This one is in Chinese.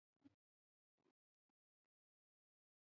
哈蒂格是一个位于美国阿肯色州犹尼昂县的城市。